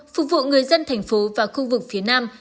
phục vụ người dân thành phố và khu vực phía nam